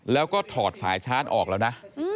แล้วก็ถอดสายชาร์จออกแล้วนะ